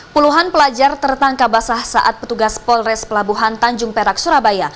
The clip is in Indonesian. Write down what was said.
puluhan pelajar tertangkap basah saat petugas polres pelabuhan tanjung perak surabaya